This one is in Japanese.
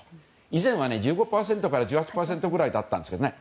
以前は１５％から１８％ぐらいだったんですけどね